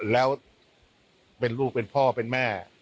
แล้วเป็นลูกเป็นพ่อเป็นแม่